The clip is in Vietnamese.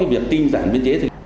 việc tinh dạng biên chế